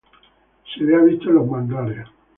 Se le ha visto en los manglares.